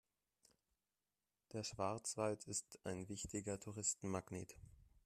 Der Schwarzwald ist ein wichtiger Touristenmagnet.